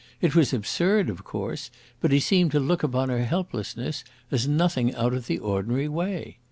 It was absurd, of course, but he seemed to look upon her helplessness as nothing out of the ordinary way.